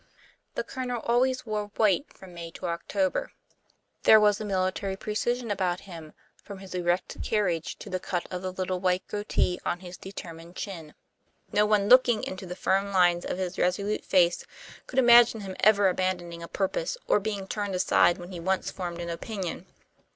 The Colonel always wore white from May till October. There was a military precision about him, from his erect carriage to the cut of the little white goatee on his determined chin. No one looking into the firm lines of his resolute face could imagine him ever abandoning a purpose or being turned aside when he once formed an opinion.